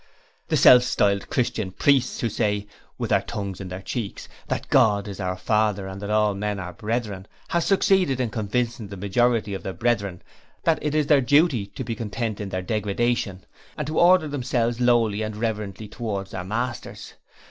'The self styled "Christian" priests who say with their tongues in their cheeks that God is our Father and that all men are brethren, have succeeded in convincing the majority of the "brethren" that it is their duty to be content in their degradation, and to order themselves lowly and reverently towards their masters.